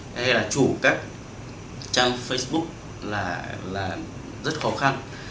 hay là chủ các trang facebook là rất khó khăn